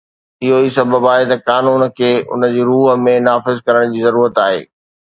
اهو ئي سبب آهي ته قانون کي ان جي روح ۾ نافذ ڪرڻ جي ضرورت آهي